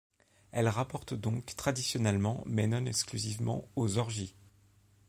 Elle rapporte donc traditionnellement, mais non exclusivement, aux orgies.